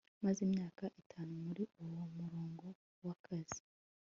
Maze imyaka itanu muri uwo murongo wakazi